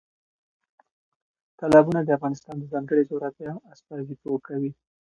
تالابونه د افغانستان د ځانګړې جغرافیې استازیتوب کوي.